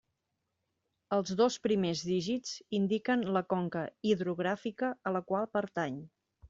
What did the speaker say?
Els dos primers dígits indiquen la conca hidrogràfica a la qual pertany.